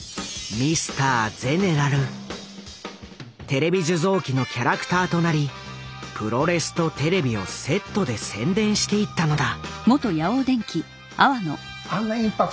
テレビ受像機のキャラクターとなりプロレスとテレビをセットで宣伝していったのだ。